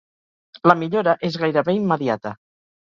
La millora és gairebé immediata.